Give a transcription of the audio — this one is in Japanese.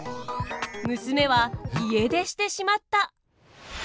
娘は家出してしまった！